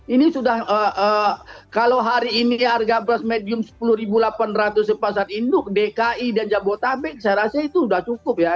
ini sudah kalau hari ini harga beras medium sepuluh delapan ratus pasar induk dki dan jabodetabek saya rasa itu sudah cukup ya